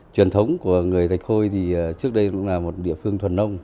truyền thống của người thạch khôi thì trước đây cũng là một địa phương thuần nông